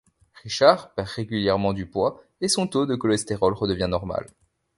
Richard perd régulièrement du poids et son taux de cholestérol redevient normal.